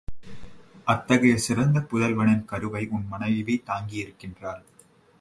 அத்தகைய சிறந்த புதல்வனின் கருவை உன் மனைவி தாங்கியிருக்கின்றாள்.